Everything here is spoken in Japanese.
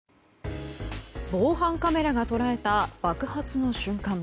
防犯カメラが捉えた爆発の瞬間。